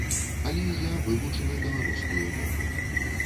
Але я вывучыла беларускую мову.